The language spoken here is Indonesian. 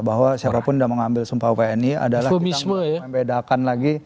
bahwa siapapun yang mengambil sumpah wni adalah kita membedakan lagi